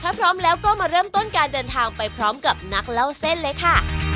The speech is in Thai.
ถ้าพร้อมแล้วก็มาเริ่มต้นการเดินทางไปพร้อมกับนักเล่าเส้นเลยค่ะ